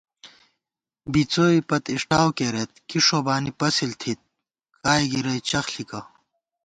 بِڅوئےپت اِݭٹاؤ کېرېت کی ݭوبانی پَسِل تھِت کائےگِرَئی چخ ݪِکہ